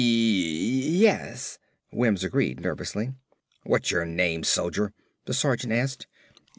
"Y yes," Wims agreed nervously. "What's your name, soldier?" the sergeant asked.